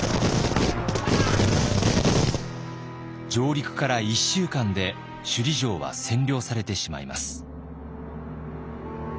上陸から１週間で首里城は占領されてしまいます。